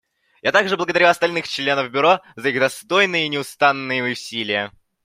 Я также благодарю остальных членов Бюро за их достойные и неустанные усилия.